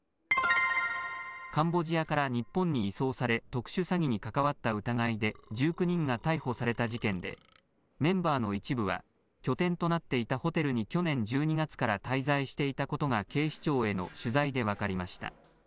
カンボジアから日本に移送され、特殊詐欺に関わった疑いで、１９人が逮捕された事件で、メンバーの一部は、拠点となっていたホテルに去年１２月から滞在していたことが警視庁への取材で分かりました。